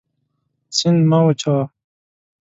سیند مه وچوه.